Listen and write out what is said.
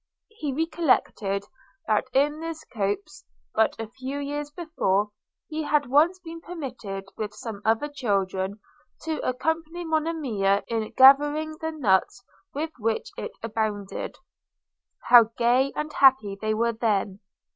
He recollected that, in this copse, but a few years before, he had once been permitted with some other children to accompany Monimia in gathering the nuts with which it abounded – How gay and happy they were then!